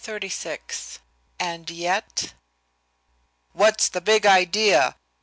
XXXVI "AND YET " "What's the big idea?"